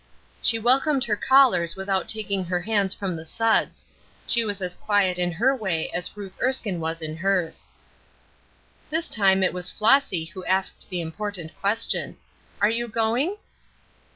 She welcomed her callers without taking her hands from the suds; she was as quiet in her way as Ruth Erskine was in hers. This time it was Flossy who asked the important question: "Are you going?"